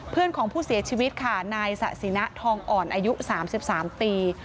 เพื่อนของผู้เสียชีวิตค่ะนายสะสินะทองอ่อนอายุ๓๓ปี